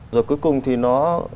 rồi cuối cùng thì nó